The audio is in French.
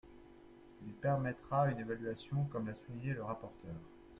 Il permettra une évaluation, comme l’a souligné le rapporteur.